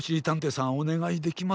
おねがいできますか？